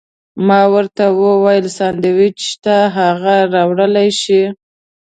ما ورته وویل: سانډویچ شته، هغه راوړلی شې؟